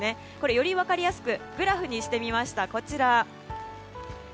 より分かりやすくグラフにしてみました。